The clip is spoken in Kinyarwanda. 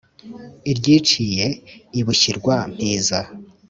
iryiciye i bushyirwa-mpiza,